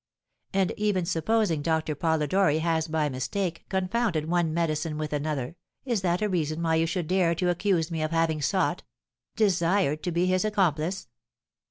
And even supposing Doctor Polidori has by mistake confounded one medicine with another, is that a reason why you should dare to accuse me of having sought desired to be his accomplice?